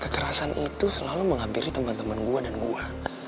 kerasa itu selalu menghampiri temen temen gua dan gua